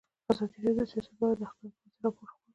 ازادي راډیو د سیاست په اړه د حقایقو پر بنسټ راپور خپور کړی.